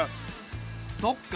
そっか。